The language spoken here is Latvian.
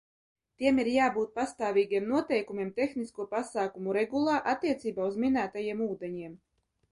Tiem ir jābūt pastāvīgiem noteikumiem tehnisko pasākumu regulā attiecībā uz minētajiem ūdeņiem.